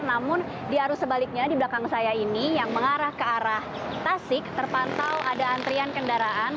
namun di arus sebaliknya di belakang saya ini yang mengarah ke arah tasik terpantau ada antrian kendaraan